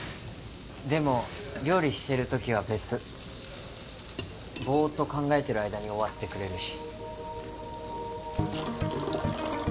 でも料理してる時は別ボーッと考えてる間に終わってくれるし